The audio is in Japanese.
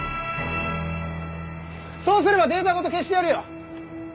そうすればデータごと消してやるよ。